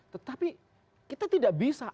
tetapi kita tidak bisa